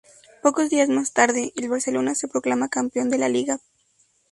Pocos días más tarde, el Barcelona se proclamaba campeón de la liga.